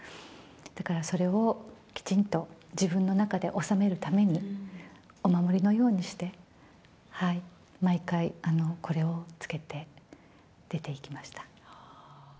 だからそれをきちんと自分の中で収めるために、お守りのようにして、毎回、これをつけて出ていきました。